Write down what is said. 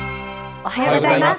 おはようございます。